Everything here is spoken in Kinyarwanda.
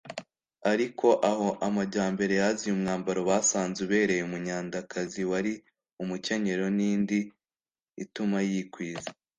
ariko aho amajyambere yaziye umwambaro basanze ubereye umunyandakazi wari umukenyero n’indi ituma yikwiza